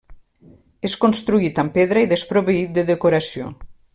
És construït amb pedra i desproveït de decoració.